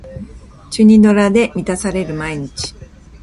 チュニドラで満たされる毎日